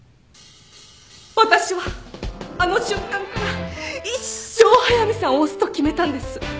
私はあの瞬間から一生速見さんを推すと決めたんです。